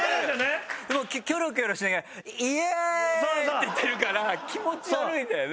もうキョロキョロしながら「イエーイ」って言ってるから気持ち悪いんだよね。